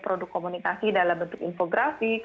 produk komunikasi dalam bentuk infografi